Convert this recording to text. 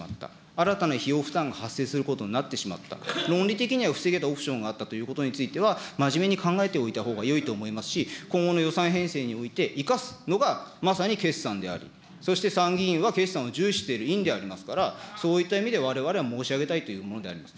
新たな費用負担が発生することになってしまった、論理的には防げたオプションがあったということについては、真面目に考えておいたほうがよいと思いますし、今後の予算編成において生かすのが、まさに決算であり、そして参議院は決算を重視している院でありますから、そういった意味でわれわれ、申し上げたいというものであります。